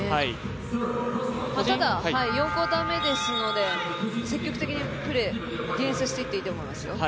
ただ、４クオーター目ですので積極的にディフェンスしていっていいと思いますよ。